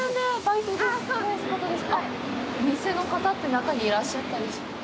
お店の方って中にいらっしゃったり？